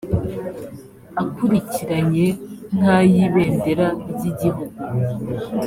akurikiranye nk ay ibendera ry igihugu